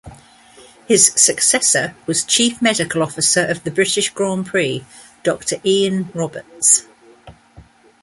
His successor was Chief Medical Officer of the British Grand Prix, Doctor Ian Roberts.